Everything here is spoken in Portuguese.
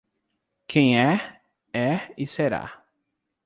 Quem é, é e será.